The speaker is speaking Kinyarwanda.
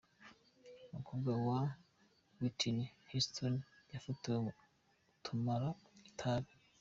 Umukobwa wa Witini husitoni yafotowe atumura itabi